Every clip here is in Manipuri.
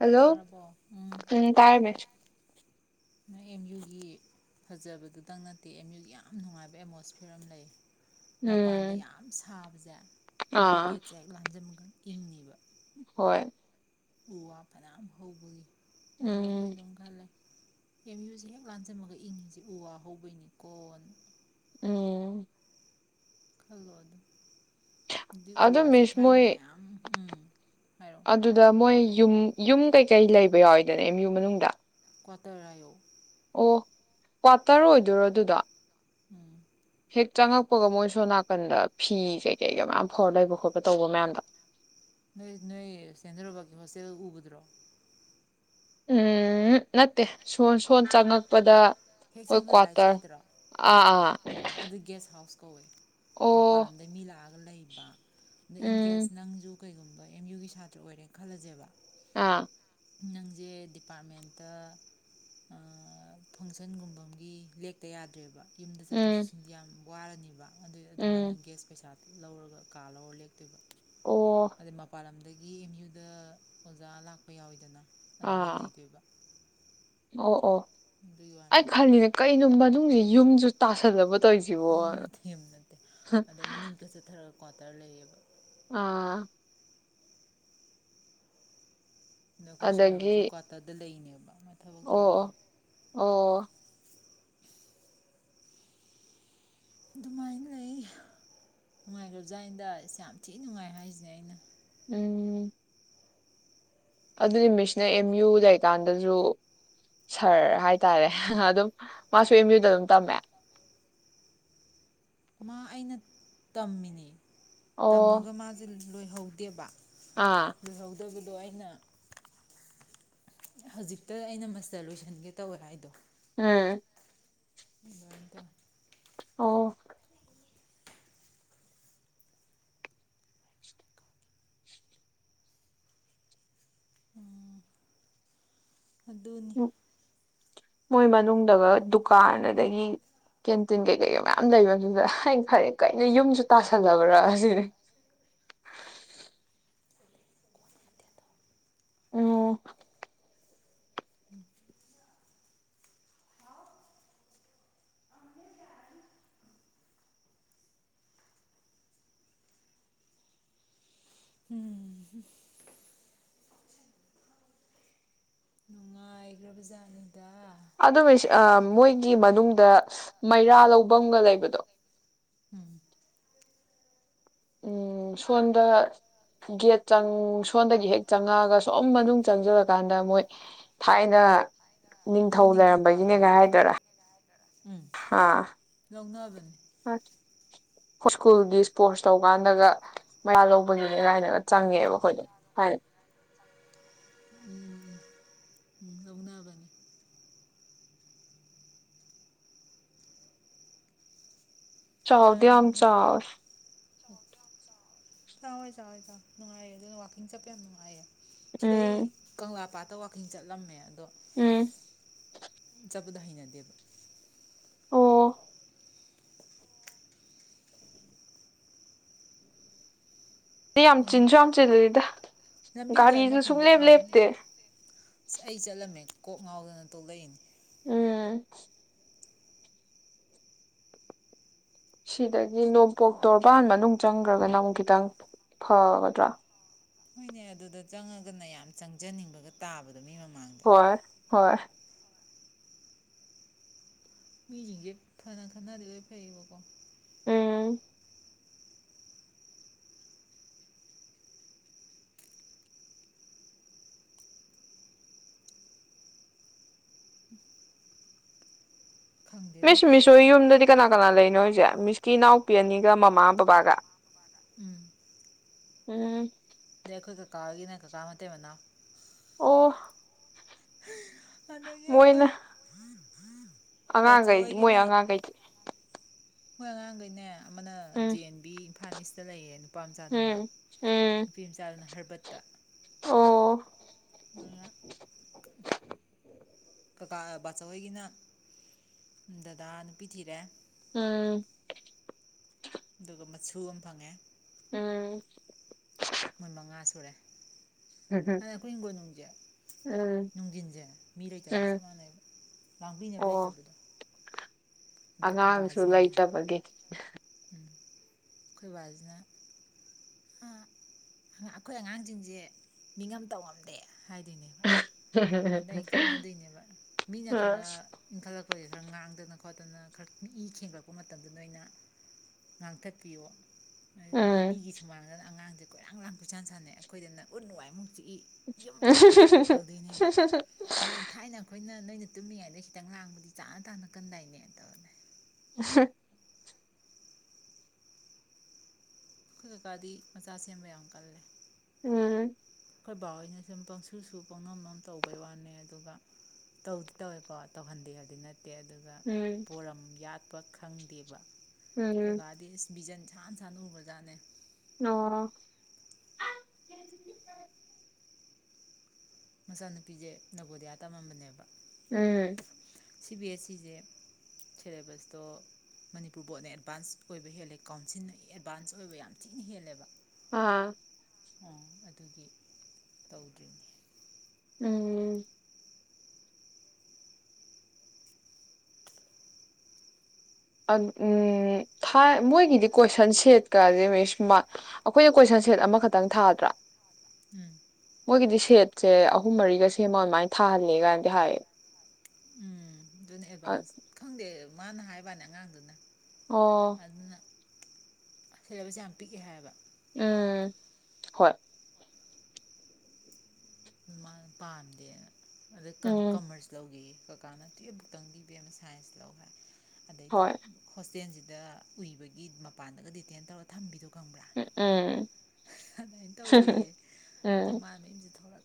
ꯍꯜꯂꯣ ꯇꯥꯔꯕꯣ ꯎꯝ ꯇꯥꯥꯏꯔꯃꯦ ꯅ ꯑꯦꯝ ꯌꯨꯒꯤ ꯐꯖꯕꯗꯨꯗꯪ ꯅꯠꯇꯦ ꯑꯦꯝ ꯌꯨꯒꯤ ꯌꯥꯝ ꯅꯨꯡꯉꯥꯏꯕ ꯑꯦꯠꯃꯣꯁꯐꯤꯌꯔ ꯑꯃ ꯂꯩ ꯃꯄꯥꯟꯗ ꯎꯝ ꯌꯥꯝ ꯁꯥꯕꯁꯦ ꯖ ꯑꯦꯦꯝ ꯑꯥ ꯌꯨꯒꯦꯠꯁꯦ ꯂꯥꯟꯖꯃꯒ ꯏꯪꯉꯕ ꯍꯣꯏ ꯎ ꯋꯥ ꯑꯔꯝ ꯍꯒꯣꯏ ꯑꯗꯣ ꯑꯈꯣꯏ ꯎꯝ ꯗꯨꯝ ꯈꯜꯂꯦ ꯑꯦꯝ ꯌꯨꯁꯦ ꯍꯦꯛ ꯂꯥꯟꯖꯤꯟꯕꯒ ꯏꯪꯉꯤꯖꯦ ꯎ ꯋꯥ ꯍꯧꯕꯩꯅꯤꯀꯣꯅ ꯎꯝ ꯈꯜꯂꯣ ꯑꯗꯨꯝ ꯑꯗꯨꯗꯤ ꯎ ꯑꯗꯨ ꯋꯥꯁꯦ ꯃꯤꯁ ꯊꯥꯏꯅ ꯃꯣꯏ ꯃꯌꯥꯝ ꯎꯝ ꯍꯥꯏꯔꯛꯑꯣ ꯑꯗꯨꯗ ꯃꯣꯏ ꯌꯨꯝ-ꯌꯨꯝ ꯀꯩꯩ ꯀꯩ ꯂꯩꯕ ꯌꯥꯎꯋꯦꯗꯅ ꯑꯦꯝ ꯌꯨ ꯃꯅꯨꯡꯗ ꯀ꯭ꯋꯥꯇꯔ ꯍꯥꯏꯌꯣ ꯑꯣ ꯀ꯭ꯋꯥꯇꯔ ꯑꯣꯏꯗꯣꯔꯣ ꯑꯗꯨꯗꯣ ꯎꯝ ꯍꯦꯛ ꯆꯪꯉꯛꯄꯒ ꯃꯣꯏ ꯁꯣ ꯅꯥꯀꯟꯗ ꯐꯤ ꯀꯩ-ꯀꯩꯒ ꯃꯌꯥꯝ ꯐꯥꯎꯔ ꯂꯩꯕ ꯈꯣꯠꯄ ꯇꯧꯕ ꯃꯌꯥꯝꯗꯣ ꯅꯣꯏ-ꯅꯣꯏ ꯁꯦꯟꯗ꯭ꯔꯔꯣꯕꯒꯤ ꯍꯣꯁꯇꯦꯜ ꯎꯕꯗꯨꯔꯣ ꯎꯝ ꯅꯠꯇꯦ ꯁꯣ-ꯁꯣꯟ ꯆꯪꯉꯛꯄꯗ ꯍꯦꯛ ꯍꯣꯏ ꯆꯪꯕꯗ ꯔꯥꯏꯠ ꯀ꯭ꯋꯥꯇꯔ ꯁꯥꯏꯠꯇꯔꯣ ꯑꯥ-ꯑꯥ ꯑꯗꯨ ꯒꯦꯁ ꯍꯥꯎꯁ ꯀꯧꯋꯦ ꯃꯄꯥꯟ ꯂꯝꯗꯒꯤ ꯃꯤ ꯂꯥꯛꯑꯒ ꯂꯩꯕ ꯑꯗ ꯏꯟ ꯎꯝ ꯀꯦꯁ ꯅꯪꯖꯨ ꯀꯩꯒꯨꯝꯕ ꯑꯦꯝ ꯌꯨꯒꯤ ꯁꯥꯇ꯭ꯔꯥ ꯑꯣꯏꯔꯦ ꯈꯜꯂꯖꯦꯕ ꯑꯥ ꯅꯪꯖꯦ ꯗꯤꯄꯥ꯭ꯔꯠꯃꯦꯟꯇ ꯑꯥ ꯐꯪꯁꯟ ꯀꯟꯒꯨꯝꯕꯝꯒꯤ ꯂꯦꯛꯇ ꯌꯥꯗ꯭ꯔꯦꯕ ꯌꯨꯝꯗ ꯆꯠꯊꯣꯛ ꯎꯝ ꯆꯠꯁꯤꯟꯗꯤ ꯌꯥꯝ ꯋꯥꯔꯥꯅꯤꯕ ꯑꯗꯨ-ꯑꯗꯨꯃꯥꯏꯅ ꯎꯝ ꯒꯦꯁ ꯄꯩꯁꯥ ꯂꯧꯔꯒ ꯀꯥ ꯂꯧꯔꯒ ꯂꯦꯛ ꯇꯨꯕ ꯑꯣ ꯑꯗꯩ ꯃꯄꯥꯟ ꯂꯝꯗꯒꯤ ꯒꯤ ꯑꯦꯝ ꯌꯨꯗ ꯑꯣꯖꯥ ꯂꯥꯛꯄ ꯌꯥꯎꯋꯤꯗꯅ ꯑꯗꯨꯗ ꯂꯩꯗꯣꯏꯕ ꯑꯣ-ꯑꯣ ꯑꯗꯨꯒꯤ ꯑꯩ ꯋꯥꯅꯤꯗ ꯈꯜꯂꯤꯔ ꯀꯩꯅꯣ ꯃꯅꯨꯡꯖꯤ ꯌꯨꯝꯖꯨ ꯇꯥꯁꯟꯂꯕ ꯌꯨꯝꯅ ꯊꯦꯝ ꯅꯠꯇꯦ ꯑꯗꯩ ꯃꯅꯤꯡꯒ ꯆꯠꯊꯔꯒ ꯀ꯭ꯋꯥꯇꯔ ꯂꯩꯌꯦꯕ ꯑꯥ ꯗ ꯑꯩꯈꯣꯏ ꯁꯥꯏ ꯑꯗꯒꯤ ꯍꯣꯏꯖꯨ ꯀ꯭ꯋꯥꯇꯗ ꯂꯩꯅꯦꯕ ꯃꯥ ꯊꯕꯛ ꯇꯧꯕꯗꯣ ꯑꯣ ꯑꯣ ꯑꯣ ꯑꯗꯨꯃꯥꯏꯅ ꯂꯩ ꯅꯨꯡꯉꯥꯏꯒ꯭ꯔꯥꯕꯖꯥꯠꯅꯤꯗ ꯌꯥꯝ ꯊꯤꯅ ꯅꯨꯡꯉꯥꯏ ꯍꯥꯏꯔꯤꯖꯤꯅꯦ ꯑꯩꯅ ꯎꯝ ꯑꯗꯨꯗꯤ ꯃꯤꯁꯅ ꯑꯦꯝꯌꯨ ꯂꯩꯀꯥꯟꯗꯖꯨ ꯁꯥꯔ ꯍꯥꯏꯇꯥꯔꯦ ꯍꯥ-ꯍꯥꯍ ꯑꯗꯨꯝ ꯃꯥꯖꯨ ꯑꯦꯝꯌꯨꯗ ꯑꯗꯨꯝ ꯇꯝꯃꯦ ꯃꯥ ꯑꯩꯅ ꯇꯝ ꯃꯤꯅꯦ ꯑꯣ ꯇꯃꯒ ꯃꯥꯖꯤ ꯂꯣꯏꯍꯧꯗꯦꯕ ꯑꯥ ꯑꯗꯨꯕꯗꯣ ꯑꯩꯅ ꯍꯧꯖꯤꯛꯇ ꯑꯩꯅ ꯃꯁꯇꯔ ꯂꯣꯏꯁꯟꯒꯦ ꯇꯧꯋꯦ ꯍꯥꯏꯗꯣ ꯎꯝ ꯑꯗꯨꯃꯥꯏꯅꯥ ꯇꯧꯏ ꯑꯣ ꯎꯝ ꯑꯗꯨꯅꯤ ꯃꯣꯏ ꯃꯅꯨꯡꯗꯒ ꯗꯨꯀꯥꯟ ꯑꯗꯒꯤ ꯀꯦꯟꯇꯤꯟ ꯀꯩꯀꯩꯒ ꯃꯌꯥꯝ ꯂꯩꯕꯗ ꯑ ꯐꯔꯦ ꯀꯩꯅ ꯌꯨꯝꯁꯨ ꯇꯥꯁꯜꯂꯕ꯭ꯔꯥ ꯑꯁꯤꯅꯤ ꯑꯣꯝ ꯎꯝ ꯎꯝ ꯂꯩ꯭ꯔꯕ ꯆꯥꯇꯅꯤ ꯑꯗꯨ ꯃꯤꯁ ꯃꯣꯏꯒꯤ ꯃꯅꯨꯡꯗ ꯃꯩꯔꯥ ꯂꯧꯕꯒ ꯂꯩꯕꯗꯣ ꯎꯝ ꯎꯝ ꯁꯣꯟꯗ ꯒꯦꯠ ꯆꯥꯡ ꯁꯣꯟꯗꯒꯤ ꯍꯦꯛ ꯆꯪꯉꯛꯑꯒ ꯁꯨꯝ ꯃꯅꯨꯡ ꯆꯪꯖꯔꯀꯥꯟꯗ ꯃꯣꯏ ꯊꯥꯏꯅ ꯑꯣ ꯅꯤꯡꯊꯧ ꯂꯩꯔꯝꯕꯒꯤꯅꯦꯒ ꯄꯥꯜꯂꯝꯕꯩꯗꯣ ꯍꯥꯏꯗꯣꯏꯔꯥ ꯎꯝ ꯍꯥ ꯂꯧꯅꯕꯅꯤ ꯁ꯭ꯀꯨꯜꯒꯤ ꯏꯁꯄꯣꯔꯠꯁ ꯇꯧꯀꯥꯟꯗꯒ ꯃꯌꯥ ꯂꯧꯕꯒꯤꯅꯦ ꯀꯥꯏꯅꯒ ꯆꯪꯉꯦꯕ ꯑꯩꯈꯣꯏꯅ ꯍꯥꯟꯅꯥ ꯎꯝ ꯎꯝ ꯂꯧꯅꯕꯅꯤ ꯆꯥꯎꯗꯤ ꯌꯥꯝ ꯆꯧꯌꯦ ꯆꯥꯋꯣꯏ ꯆꯥꯋꫭꯏ ꯆꯥꯋꫭꯏ ꯅꯨꯡꯉꯥꯏꯌꯦ ꯑꯗꯨꯅ ꯋꯥꯀꯤꯡ ꯆꯠꯄ ꯌꯥꯝ ꯅꯨꯡꯉꯥꯏꯌꯦ ꯁꯤꯗꯩ ꯎꯝ ꯀꯪꯂ ꯄꯥꯠ ꯇꯋꯥꯀꯤꯡ ꯆꯠꯂꯝꯃꯦ ꯑꯗꯣ ꯎꯝ ꯆꯕꯗ ꯍꯩꯅꯗꯦ ꯕ ꯑꯣ ꯑ ꯌꯥꯝ ꯆꯤꯟꯁꯨ ꯌꯥꯝ ꯆꯤꯂꯦꯗ ꯂꯝꯕꯤ ꯒꯥꯔꯤ ꯒꯥꯔꯤꯁꯨ ꯃꯈꯣꯟꯗꯣ ꯁꯨꯡꯂꯦꯞ ꯑꯥꯗꯅꯤ ꯂꯦꯞꯇꯦ ꯑꯩ ꯆꯠꯂꯝꯃꯦ ꯀꯣꯛ ꯉꯥꯎꯗꯅ ꯇꯣꯛꯂꯛꯏꯅꯤ ꯎꯝ ꯁꯤꯗꯒꯤ ꯅꯣꯡꯄꯣꯛ ꯇꯣꯔꯕꯥꯟ ꯃꯅꯨꯡ ꯆꯪꯈ꯭ꯔꯒ ꯅ ꯑꯃꯨꯛ ꯈꯤꯇꯪ ꯐꯒꯗ꯭ꯔꯥ ꯃꯤꯅꯦ ꯑꯗꯨꯗ ꯆꯪꯉꯒꯅ ꯌꯥꯝ ꯆꯪꯖꯅꯤꯡꯕꯒ ꯇꯥꯕꯗꯣ ꯃꯤ ꯃꯃꯜ ꯍꯣꯏ ꯍꯣꯏ ꯃꯤꯁꯤꯡꯁꯦ ꯐꯅ ꯈꯟꯅꯗꯤ ꯐꯩꯌꯦꯕꯀꯣ ꯑꯝ [inaudible] ꯈꯪꯗꯦꯗ ꯃꯤꯁ ꯃꯤꯁ ꯍꫭꯏ ꯌꯨꯝꯗꯗꯤ ꯀꯅꯥ ꯀꯅꯥ ꯂꯩꯅꫭ ꯍꯥꯏꯁꯦ ꯃꯤꯁꯀꯤ ꯏꯅꯥꯎꯄꯤ ꯑꯅꯤꯒ ꯃꯃꯥ ꯕꯕꯥꯒ ꯎꯝ ꯎꯝ ꯑꯗꯩ ꯑꯩꯈꯣꯏ ꯀꯀꯥ ꯍꯣꯏꯒꯤꯅ ꯀꯀꯥ ꯃꯇꯩ ꯃꯅꯥꯎ ꯑꯣ ꯍ ꯑꯗꯒꯤ ꯑꯈꯣꯏ ꯑꯉꯥꯡꯈꯩꯗꯤ ꯃꯣꯏ ꯑꯉꯥꯡꯈꯩꯗꯤ ꯈꫭꯏ ꯑꯉꯥꯡꯈꯩꯅꯦ ꯑꯃꯅ J um N B Imphal east ꯂꯩꯌꯦ ꯅꯨꯄꯥ ꯃꯆꯥꯗꯨꯅ ꯎꯝ ꯎꯝ ꯅꯨꯄꯤ ꯃꯆꯥꯗꯨꯅ ꯍꯔꯕꯠꯇ꯫ ꯑꯣ ꯑ ꯀꯀꯥ ꯕꯥꯆꯋꯣꯏꯒꯤꯅ ꯗꯗꯥ ꯅꯨꯄꯤ ꯊꯤꯔꯦ꯫ ꯎꯝ ꯑꯗꯨꯒ ꯃꯁꯨ ꯑꯃ ꯐꯪꯉꯦ꯫ ꯎꯝ ꯃꫭꯏ ꯃꯉꯥ ꯁꯨꯔꯦ꯫ ꯑꯗ ꯑꯩꯈꯣꯏ ꯏꯪꯒꯣꯜꯅꯨꯡꯁꯦ ꯎꯝ ꯅꯨꯡꯙꯤꯟꯁꯦ ꯃꯤ ꯂꯩꯇꯕꯒ ꯎꯝ ꯆꯞ ꯃꯥꯟꯅꯩ ꯂꯥꯡꯕꯤꯅꯕ ꯑꯣ ꯂꯩꯇꯕꯗꯣ꯫ ꯑꯗꯩ ꯑꯩꯈꯣꯏ ꯑꯉꯥꯡꯁꯨ ꯕꯥꯁꯤꯅꯅꯦ ꯂꯩꯇꯕꯒꯤ ꯎꯝ ꯑꯩꯈꯣꯏ ꯕꯥꯁꯤꯅ ꯑꯥ ꯑꯩꯈꯣꯏ ꯑꯉꯥꯡꯁꯤꯡꯁꯦ ꯃꯤꯉꯝ ꯇꯧ ꯉꯝꯗꯦ꯫ ꯍꯥꯏꯗꯣꯏꯅꯦꯕ ꯎꯝ ꯎꯝ ꯑꯟꯗꯩ ꯈꯠꯅꯗꯣꯏꯅꯦꯕ ꯃꯤꯅ ꯈꯔ ꯏꯟꯈꯠꯂꯛ ꯑꯩꯈꯣꯏ ꯈꯔ ꯉꯥꯡꯗꯅ ꯈꯣꯠꯇꯅ ꯈꯔ ꯏ ꯈꯦꯡꯒꯠꯂꯛꯄ ꯃꯇꯝꯗꯅ ꯑꯣꯏꯅ ꯉꯥꯡꯊꯠꯄꯤꯌꯦ ꯑꯗꯨꯒ ꯎꯝ ꯃꯤꯒꯤ ꯁꯨꯃꯥꯡꯗꯅ ꯑꯉꯥꯡꯁꯦ ꯀꫭꯏꯂꯥꯡꯂꯥꯡ ꯀꫭꯏꯁꯥꯟ ꯁꯥꯅꯩ ꯑꯩꯈꯣꯏꯗꯅ ꯎꯠꯅꯨꯡ ꯋꯥꯏꯃꯨꯛ ꯆꯤꯛꯏ ꯌꯨꯝ ꯃꯥꯟꯗꯦ ꯇꯧꯗꯣꯏꯅꯦꯕ ꯑꯗꯩ ꯊꯥꯏꯅ ꯑꯩꯈꯣꯏꯅ ꯅꯣꯏꯅ ꯇꯨꯝꯃꯤ ꯍꯥꯏꯅ ꯈꯤꯇꯪ ꯂꯥꯡꯕꯗꯤ ꯆꯥꯅ ꯇꯥꯅ ꯀꯟꯗꯥꯏꯅꯦ꯫ ꯇꯧꯔꯅꯦ ꯎꯝꯍ ꯑꯩꯈꯣꯏ ꯀꯀꯥꯗꯤ ꯃꯆꯥ ꯁꯦꯝꯕ ꯌꯥꯝ ꯀꯜꯂꯦ꯫ ꯎꯝ ꯑꯩꯈꯣꯏ ꯕꯥ ꯍꯣꯏꯅ ꯁꯨꯝ ꯄꯪꯁꯨꯁꯨ ꯄꯪꯉꯝꯑꯝ ꯇꯧꯕꯩ ꯋꯥꯅꯦ ꯑꯗꯨꯒ ꯇꯧꯗꯤ ꯇꯧꯋꯦꯀꯣ ꯇꯧꯍꯟꯗꯦ ꯍꯥꯏꯗꯤ ꯅꯠ ꯇꯦ ꯑꯗꯨꯒ ꯄꯣꯔꯝ ꯌꯥ ꯄ ꯈꯪꯗꯦꯕ ꯎꯝ ꯀꯀꯥꯗꯤ ꯕꯤꯖꯟ ꯁꯥꯅ ꯁꯥꯅꯅꯥ ꯎꯒꯔꯥ ꯖꯥꯠꯅꯦ ꯑꫭ ꯃꯆꯥꯅꯨꯄꯤꯁꯦ ꯅꯕꯣꯗꯤꯌꯥ ꯇꯝꯃꯝꯕꯅꯦꯕ꯫ ꯎꯝ ꯁꯤ ꯕꯤ ꯑꯦꯁ ꯁꯤꯁꯦ ꯁꯦꯂꯦꯕꯁꯇꯣ ꯃꯅꯤꯄꯨꯔ ꯕꯣꯔꯠꯅ ꯑꯦꯗꯚꯥꯟꯁ ꯑꯣꯏꯕ ꯍꯦꯜꯂꯦ ꯀꯥꯎꯟꯁꯤꯜꯅ ꯑꯦꯠꯚꯥꯟꯁ ꯑꯣꯏꯕ ꯌꯥꯝ ꯊꯤꯅ ꯍꯦꯜꯂꯦꯕ꯫ ꯑꯥ ꯑꯣ ꯑꯗꯨꯒꯤ ꯇꯧꯗ꯭ꯔꯤꯅꯦ ꯎꯝ ꯑ ꯟ ꯊꯥ ꯃꯣꯏꯒꯤꯗꯤ ꯀꯣꯏꯁꯟ ꯁꯦꯠꯀꯥꯁꯦ ꯃꯤꯁ ꯃꯥ ꯑꯩꯈꯣꯏꯅ ꯀꯣꯏꯁꯟ ꯁꯦꯠ ꯑꯃꯈꯛꯇꯪ ꯊꯥꯗ꯭ꯔꯥ ꯎꯝ ꯃꯣꯏꯒꯤꯗꯤ ꯁꯦꯠ ꯁꯦ ꯑꯍꯨꯝ ꯃꯔꯤꯒ ꯁꯦꯝꯃꯣ ꯑꯗꯨꯃꯥꯏꯅ ꯊꯥꯍꯜꯂꯦ ꯀꯥꯏꯅꯗꯤ ꯍꯥꯏꯌꯦ ꯎꯝ ꯑꯗꯨꯅ ꯑ- ꯑꯦꯗꯚꯥꯟꯁ ꯈꯪꯗꯦ [unintelligible] ꯃꯥꯅ ꯍꯥꯏꯕꯅꯦ ꯑꯉꯥꯡꯗꯨꯅ ꯑꯣ ꯑꯗꯨꯅ ꯁꯦꯂꯦꯕꯁꯦ ꯌꯥꯝ ꯄꯤꯛꯑꯦ ꯍꯥꯏꯌꯦꯕ ꯎꯝ ꯍꯣꯏ ꯃꯥ ꯄꯥꯝꯗꯦꯅ ꯑꯗ ꯀ ꯎꯝ ꯀꯃꯔꯁ ꯂꯧꯒꯦ ꯀꯀꯥꯅ ꯇꯨꯌꯦꯕ ꯈꯛꯇꯪ ꯏꯕꯦꯝ ꯁꯥꯏꯟꯁ ꯂꯧ ꯍꯥꯏꯦ ꯑꯗꯩꯗꯤ ꯍꯣꯏ ꯍꯣꯁꯇꯦꯜꯁꯤꯗ ꯗ ꯎꯏꯕꯒꯤ ꯃꯄꯥꯟꯗꯒ ꯗꯤꯇꯦꯟ ꯇꯧꯔ ꯊꯝꯕꯤꯗꯣ ꯈꯪꯕ꯭ꯔꯥ ꯎꯝ ꯑꯗꯨꯃꯥꯏꯅ ꯇꯧꯋꯦꯌꯦ ꯑꯗꯨꯣ [unintelligible] ꯎꯝ ꯃꯥꯅ ꯌꯨꯝꯗ ꯊꯂꯛ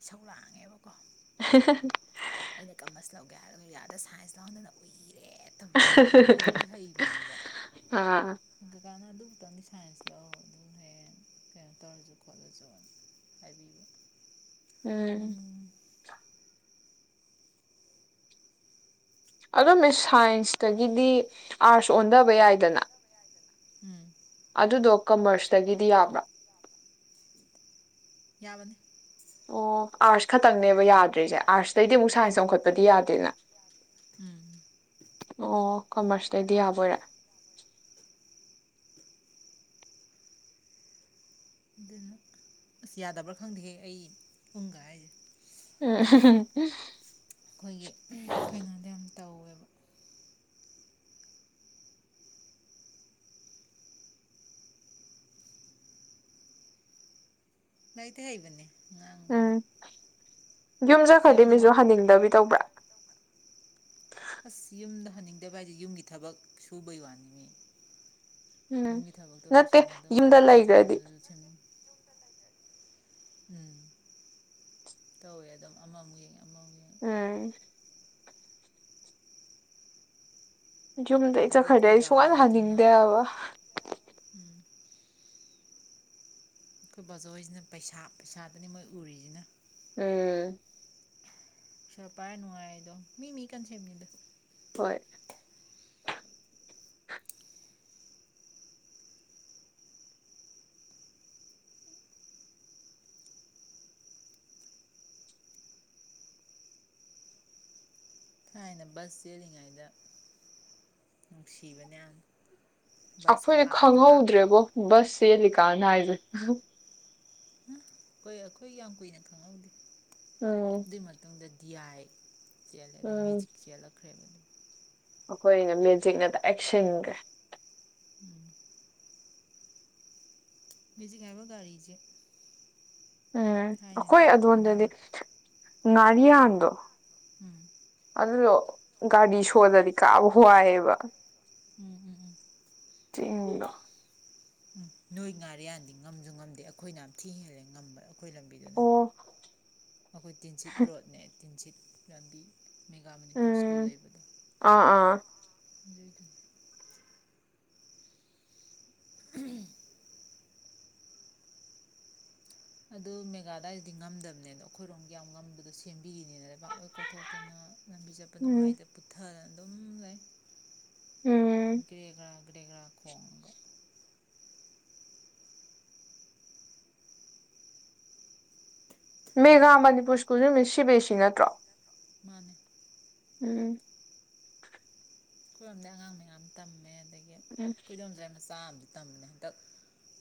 ꯑꯁꯧ ꯂꯥꯡꯉꯦꯕꯀꯣ [unintelligible] [unintelligible] ꯑꯩꯅ ꯀꯃꯔꯁ ꯂꯧꯒꯦ ꯍꯥꯏꯔꯒ ꯌꯥꯔꯗ ꯁꯥꯏꯟꯁ ꯂꯧꯍꯟꯗꯅ ꯎꯏꯌꯦ ꯑꯥ [unintelligible] ꯀꯛꯅ ꯑꯗꯨꯝꯛꯇꯪꯗꯤ ꯁꯥꯏꯟꯁ ꯂꯥꯛꯑꯣ ꯑꯗꯨꯝ ꯍꯌꯦꯡ ꯀꯩꯅꯣ ꯇꯧꯔꯁꯨ ꯈꯣꯠꯂꯁꯨ ꯍꯥꯏꯕꯤꯕ [inaudible] ꯎꯝ [inaudible] ꯑꯗꯨ ꯃꯤꯁ ꯁꯥꯏꯟꯁꯇꯒꯤꯗꯤ ꯑꯥꯔꯠꯁ ꯑꯣꯟꯊꯕ ꯌꯥꯏꯗꯅ ꯎꯝ [unintelligible] ꯑꯗꯨꯗꯣ ꯀꯃꯔꯁꯇꯒꯤꯗꯤ ꯌꯥꯕ꯭ꯔꯥ ꯌꯥꯕꯅꯤ ꯑꯣ ꯑꯥꯔꯠꯁ ꯈꯛꯇꯪꯅꯦꯕ ꯌꯥꯗ꯭ꯔꯤꯁꯦ ꯑꯥꯔꯠꯁꯇꯩꯩꯗꯤ ꯑꯃꯨꯛ ꯁꯥꯏꯟꯁ ꯑꯣꯡꯈꯠꯄꯥꯗꯤ ꯌꯥꯗꯦꯅ ꯎꯝ ꯑꯣ ꯀꯃꯔꯁꯇꯗꯤ ꯌꯥꯕꯣꯏꯔꯦ ꯑꯗꯨꯅ ꯑꯁ ꯌꯥꯗꯕ꯭ꯔꯥ ꯈꯪꯗꯦꯍꯦ ꯑꯩ ꯎꯝꯒ ꯍꯥꯏꯁꯦ ꯑ ꯑꯩꯈꯣꯏꯒꯤ ꯀꯩꯅꯣꯗ ꯌꯥꯝ ꯇꯧꯋꯦꯕ ꯂꯥꯏꯔꯤꯛꯇꯤ ꯍꯩꯏꯕꯅꯤ ꯎꯝ ꯌꯨꯝ ꯆꯈ꯭ꯔꯗꯤ ꯃꯤꯁꯨ ꯁꯦꯝꯕꯗꯃꯛ ꯍꯟꯅꯤꯡꯗꯕꯤ ꯇꯧꯕ꯭ꯔꯥ ꯑꯁ ꯌꯨꯝꯗ ꯍꯟꯅꯤꯡꯗꯕ ꯍꯥꯏꯕꯥꯖꯦ ꯌꯨꯝꯒꯤ ꯊꯕꯛ ꯁꯨꯕꯩ ꯋꯥꯅꯤ ꯎꯝ ꯌꯨꯝꯒꯤ ꯊꯕꯛꯇꯣ ꯅꯠꯇꯦ ꯂꯣꯏꯁꯤꯟꯒꯗꯧꯕ ꯌꯨꯝꯗ ꯏꯪꯈꯣꯜ ꯁꯝꯕꯗꯣ ꯂꯩꯈ꯭ꯔꯗꯤ ꯁꯦꯝꯖꯟ ꯎꯝ ꯇꯧꯋꯦ ꯑꯗꯨꯝ ꯑꯃꯃꯨꯛ ꯌꯦꯡ ꯑꯃꯃꯨꯛ ꯌꯦꯡ ꯑ ꯌꯨꯝꯗ ꯑꯩ ꯑꯗꯒꯤ ꯆꯠꯈ꯭ꯔꯗꯤ ꯑꯩꯈꯣꯏ ꯑꯩ ꯗꯥ ꯁꯨꯡꯍꯟ ꯍꯣꯏꯒꯤꯗꯨꯅ ꯍꯟꯅꯤꯡꯗꯦꯕ ꯑꯩꯈꯣꯏ ꯕꯥꯆꯧꯍꯣꯏꯁꯤꯟ ꯄꯩꯁꯥ ꯄꯩꯁꯥꯗꯅꯤ ꯃꯣꯏ ꯎꯔꯤꯁꯤꯅ ꯎꯝ ꯄꯩꯁꯥ ꯄꯥꯏꯔ ꯅꯨꯉꯥꯏꯔꯤꯗꯣ ꯃꯤ ꯃꯤ ꯀꯟꯁꯦꯞꯅꯤꯗ ꯍꯣꯏ ꯊꯥꯏꯅ ꯕꯁ ꯆꯦꯜꯂꯤꯉꯩꯗ ꯅꯨꯡꯁꯤꯕꯅꯦ ꯌꯥꯝ ꯕꯁꯀ ꯑꯈꯣꯏꯅ ꯂꯥꯞꯅ ꯂꯥꯞꯅ ꯈꯪꯍꯧꯗ꯭ꯔꯦꯕꯣ ꯕꯁ ꯆꯦꯜꯂꯤ ꯀꯥꯟ ꯅꯥꯏꯖꯦ ꯑꯍꯥ-ꯍꯥ [inaudible] ꯍꯨꯝ ꯑꯩꯈꯣꯏ-ꯑꯩꯈꯣꯏ ꯌꯥꯝ ꯀꯨꯏꯅ ꯈꯪꯉꯧꯗꯦ ꯎꯝ ꯑꯗꯨꯏ ꯃꯇꯨꯡꯗꯗꯤ ꯗꯤꯌꯥꯏ ꯆꯦꯜꯂꯦ ꯑꯗꯩ ꯃꯦꯖꯤꯛ ꯆꯦꯜꯂꯛꯈ꯭ꯔꯦꯕ ꯑꯈꯣꯏꯅ ꯃꯦꯖꯤꯛꯅ ꯗꯥꯏꯔꯦꯛ ꯁꯤꯟꯒ꯭ꯔꯦ ꯎꯝ ꯃꯦꯖꯤꯛ ꯉꯥꯏꯕ ꯒꯥꯔꯤꯖꯦ ꯎꯝ ꯑꯈꯣꯏ ꯑꯉꯥꯡ ꯑꯗꯣꯝꯗꯗꯤ ꯉꯥꯔꯤꯌꯥꯟꯗꯣ ꯎꯝ ꯑꯗꯨꯗꯣ ꯒꯥꯔꯤ ꯁꯣꯜꯂꯗꯤ ꯀꯥꯕ ꯋꯥꯏꯋꯦꯕ ꯎꯝ ꯎꯝ ꯎꯝ ꯆꯤꯡꯗꯣ ꯎꯝ ꯅꯣꯏ ꯉꯥꯔꯦꯌꯥꯟꯗꯤ ꯉꯝꯖꯨ ꯉꯝꯗꯦ ꯑꯈꯣꯏꯅ ꯌꯥꯝꯝ ꯊꯤ ꯍꯦꯜꯂꯦ ꯉꯝꯕ ꯑꯈꯣꯏ ꯂꯝꯕꯤꯗꯨꯅ ꯑꯣ ꯑꯈꯣꯏ ꯇꯤꯟꯁꯤꯠ ꯔꯣꯗꯅꯦ ꯇꯤꯟꯁꯤꯠ ꯂꯝꯕꯤ ꯃꯦꯒꯥ ꯃꯅꯤꯄꯨꯔ ꯁ꯭ꯀꯨꯜ ꯎꯝ ꯂꯩꯕꯗꯣ ꯑꯥ ꯑꯥ ꯑꯗꯨꯏꯗꯣ [unintelligible] [unintelligible] ꯑꯗꯨ ꯃꯦꯒꯥꯑꯗꯥꯏꯗꯗꯤ ꯉꯝꯗꯕꯅꯦ ꯑꯗꯣ ꯑꯈꯣꯏꯔꯣꯝꯒꯤ ꯌꯥꯝ ꯉꯝꯕꯗꯣ ꯁꯦꯝ ꯄꯤꯔꯤꯅꯤꯅ ꯂꯩꯕꯥꯛ ꯂꯣꯏ ꯀꯣꯊꯣꯛꯇꯅ ꯂꯝꯕꯤ ꯆꯠꯄ ꯎꯝ ꯅꯨꯡꯉꯥꯏꯇ ꯄꯨꯠꯊꯥꯔꯅ ꯎꯝ ꯀꯦ ꯒ꯭ꯔꯥ [unintelligible] [inaudible] ꯇꯦꯒ꯭ꯔꯥ ꯈꯣꯡ [unintelligible] ꯃꯦꯒꯥꯥ ꯃꯅꯤꯄꯨꯔ ꯁ꯭ꯀꯨꯜꯖꯤ ꯃꯤꯁ ꯁꯤ ꯕꯤ ꯁꯤ ꯅꯠꯇ꯭ꯔꯣ ꯃꯥꯟꯅꯦ [inaudible] ꯎꯝ [unintelligible] ꯑꯈꯣꯏꯔꯣꯝꯗꯩ ꯑꯉꯥꯡ ꯃꯌꯥꯝ ꯇꯝꯃꯦ [inaudible] ꯑꯗꯒꯤ ꯎꯝ ꯈꯣꯏꯗꯣꯝꯆꯒꯤ ꯃꯆꯥ ꯑꯃ ꯇꯝꯕꯅꯦ ꯍꯟꯗꯛ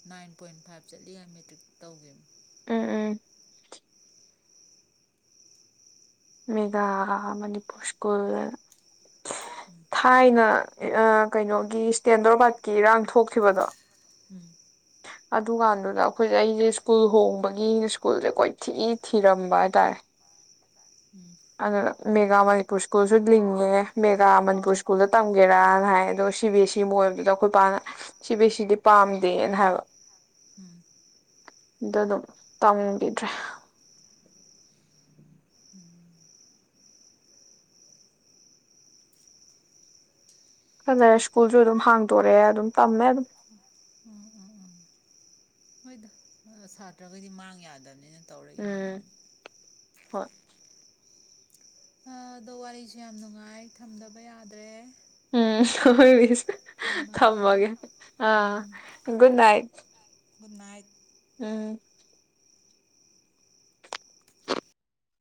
ꯅꯥꯏꯟ ꯄꯣꯏꯟ ꯐꯥꯏꯚ ꯆꯠꯂꯤꯒ ꯃꯦꯇ꯭ꯔꯤꯛꯇ ꯇꯧꯒꯤꯕꯅꯦ ꯎꯝ-ꯎꯝ [unintelligible] ꯃꯦꯒꯥ ꯃꯅꯤꯄꯨꯨꯔ ꯁ꯭ꯀꯨꯜ ꯊꯥꯏꯅ ꯑꯥ ꯀꯩꯅꯣꯒꯤ ꯏꯁꯇꯦꯟꯗ꯭ꯔꯔꯣꯕꯥꯠꯀꯤ ꯏꯔꯥꯡ ꯊꯣꯛꯈꯤꯕꯗꯣ ꯎꯝ [unintelligible] ꯑꯗꯨꯀꯥꯟꯗꯨꯗ ꯑꯩꯈꯣꯏꯖꯦ ꯑꯩꯖꯦ ꯁ꯭ꯀꯨꯜ ꯍꯣꯡꯕꯒꯤ ꯁ꯭ꯀꯨꯜꯖꯦ ꯀꯣꯏꯊꯤ ꯊꯤꯔꯝꯕ ꯍꯥꯏꯇꯥꯔꯦ ꯎꯝ ꯑꯗꯥ ꯃꯦꯒꯥ ꯃꯅꯤꯄꯨꯔ ꯁ꯭ꯀꯨꯜꯁꯨ ꯂꯤꯡꯉꯦ ꯃꯦꯒꯥ ꯃꯅꯤꯄꯨꯔ ꯁ꯭ꯀꯨꯜꯗ ꯇꯝꯒꯦꯔꯥꯅ ꯍꯥꯏꯌꯦ ꯑꯗꯣ ꯁꯤ ꯕꯤ ꯑꯦ ꯁꯤꯕꯨ ꯑꯣꯏꯕꯗꯨꯗ ꯑꯈꯣꯏ ꯄꯥꯅ ꯁꯤ ꯕꯤ ꯑꯦ ꯁꯤꯗꯤ ꯄꯥꯝꯗꯦꯅ ꯍꯥꯏꯕ ꯎꯝ ꯑꯗ ꯑꯗꯨꯝ ꯇꯝꯒꯤꯗ꯭ꯔꯦ ꯎꯝ ꯈꯥꯂꯩꯔꯦ ꯁ꯭ꯀꯨꯜꯖꯨ ꯑꯗꯨꯝ ꯍꯥꯡꯗꯣꯔꯛꯑꯦ ꯑꯗꯨꯝ ꯇꯝꯃꯦ ꯑꯗꯨꯝ ꯎꯝ ꯎꯝ ꯎꯝ ꯍꯣꯏꯗ ꯁꯥꯇ꯭ꯔꯒꯗꯤ ꯃꯥꯡ ꯌꯥꯗꯕꯅꯤ ꯅꯠꯇ [inaudible] ꯎꯝ ꯍꯣꯏ [unintelligible] ꯑꯗꯣ ꯋꯥꯔꯤꯁꯦ ꯌꯥꯝ ꯅꯨꯡꯉꯥꯏ ꯊꯝꯗꯕ ꯌꯥꯗ꯭ꯔꯦ ꯎꯝ ꯍꯣꯏ ꯃꯤꯁ ꯊꯝꯃꯒꯦ ꯊꯃꯒꯦ ꯑ ꯒꯗ ꯅꯥꯏꯠ ꯒꯨꯗ ꯅꯥꯏꯠ ꯎꯝ꯫